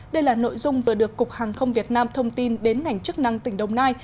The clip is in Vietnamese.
đây là nội dung vừa được cục hàng không việt nam thông tin đến ngành chức năng tỉnh đồng nai